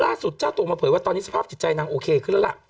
เจ้าตัวมาเผยว่าตอนนี้สภาพจิตใจนางโอเคขึ้นแล้วล่ะ